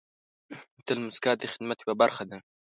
تل موسکا د خدمت یوه برخه ده.